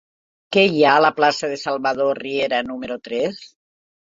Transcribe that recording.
Què hi ha a la plaça de Salvador Riera número tres?